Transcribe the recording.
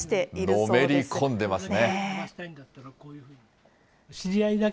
のめり込んでいますね。